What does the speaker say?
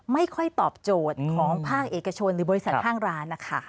ไม่ค่อยตอบโจทย์ของภาคเอกชนหรือบริษัทห้างร้านนะคะ